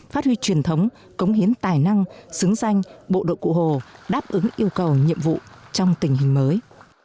phát huy truyền thống cống hiến tài năng xứng danh bộ đội cụ hồ đáp ứng yêu cầu nhiệm vụ trong tình hình mới